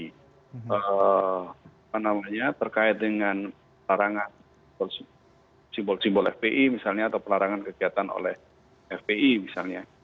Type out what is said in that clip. apa namanya terkait dengan larangan simbol simbol fpi misalnya atau pelarangan kegiatan oleh fpi misalnya